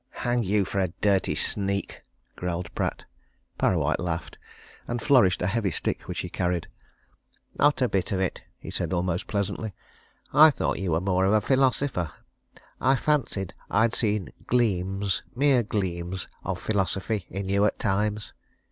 "Hang you for a dirty sneak!" growled Pratt. Parrawhite laughed, and flourished a heavy stick which he carried. "Not a bit of it!" he said, almost pleasantly. "I thought you were more of a philosopher I fancied I'd seen gleams mere gleams of philosophy in you at times.